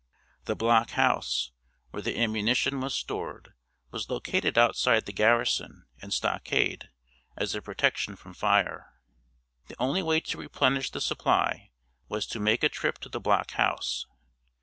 The block house where the ammunition was stored was located outside the garrison and stockade, as a protection from fire. The only way to replenish the supply was to make a trip to the block house.